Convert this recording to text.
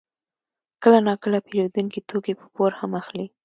کله ناکله پېرودونکي توکي په پور هم اخلي